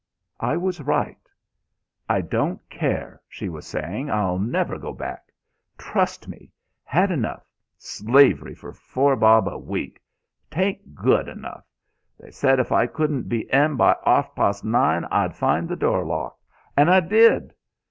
I was right. "I don't care," she was saying, "I'll never go back. Trust me. Had enough. Slavey for four bob a week. 'Taint good enough. They said if I couldn't be in by arf past nine I'd find the door locked. And I did!